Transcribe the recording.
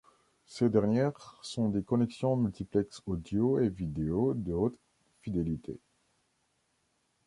Ces dernières sont des connexions multiplex audio et video de haute fidélité.